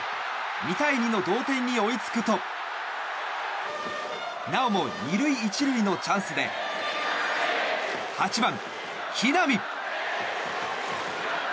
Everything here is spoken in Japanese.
２対２の同点に追いつくとなおも２塁１塁のチャンスで８番、木浪。